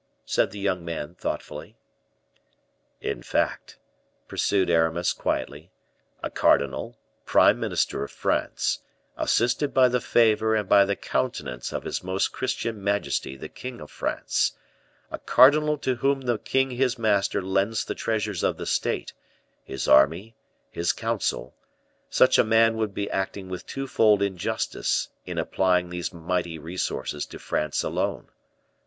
said the young man, thoughtfully. "In fact," pursued Aramis, quietly, "a cardinal, prime minister of France, assisted by the favor and by the countenance of his Most Christian Majesty the King of France, a cardinal to whom the king his master lends the treasures of the state, his army, his counsel, such a man would be acting with twofold injustice in applying these mighty resources to France alone.